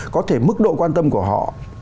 có thể mức độ quan tâm của họ